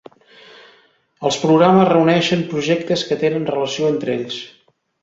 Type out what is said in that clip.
Els programes reuneixen projectes que tenen relació entre ells.